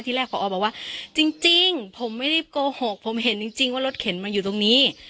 แรกพอบอกว่าจริงผมไม่ได้โกหกผมเห็นจริงว่ารถเข็นมาอยู่ตรงนี้